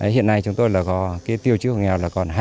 hiện nay chúng tôi có tiêu chí hộ nghèo là còn hai